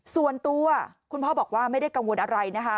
ส่วนตัวคุณพ่อบอกว่าไม่ได้กังวลอะไรนะคะ